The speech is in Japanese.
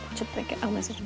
あっごめんなさい。